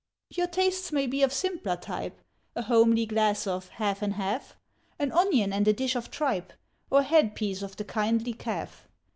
Your tastes may be of simpler type; A homely glass of "half and half," An onion and a dish of tripe, Or headpiece of the kindly calf.